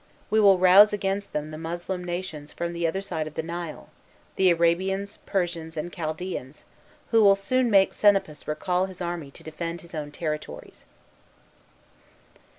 We will rouse against them the Moslem nations from the other side of the Nile, the Arabians, Persians, and Chaldeans, who will soon make Senapus recall his army to defend his own territories."